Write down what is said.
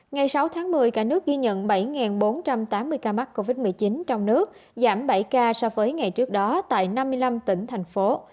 ngày sáu tháng một mươi cả nước ghi nhận bảy bốn trăm tám mươi ca mắc covid một mươi chín trong nước giảm bảy ca so với ngày trước đó tại năm mươi năm tỉnh thành phố